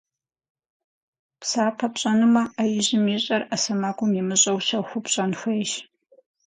Псапэ пщӏэнумэ, ӏэ ижьым ищӏэр ӏэ сэмэгум имыщӏэу, щэхуу пщӏэн хуейщ.